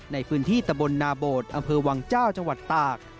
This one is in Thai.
ในพื้นที่ตะบนนาโบดอำเภอวังเจ้าจังหวัดตาก